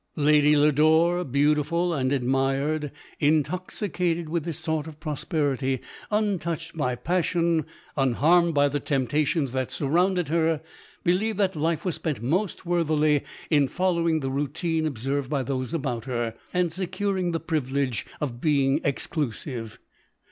Lady Lodore, beautiful and admired, intoxicated with this sort of prosperity, untouched by passion, un harmed by the temptations that surrounded her, believed that life was spent most worthily in fol lowing the routine observed by those about her, and securing the privilege of being exclusive.